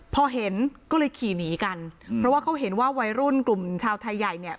พอเห็นก็เลยขี่หนีกันเพราะว่าเขาเห็นว่าวัยรุ่นกลุ่มชาวไทยใหญ่เนี่ย